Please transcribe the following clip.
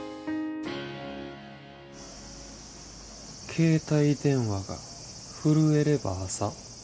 「携帯電話が震えれば朝」。